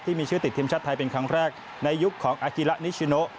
ที่มีชื่อติดทีมชาติไทยเป็นครั้งแรกในยุคของอากิระนิชิโน